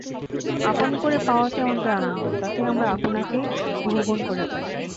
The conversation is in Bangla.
আপন করে পাওয়াতেই আমাদের আনন্দ— তাতেই আমরা আপনাকে বহুগুণ করে পাই।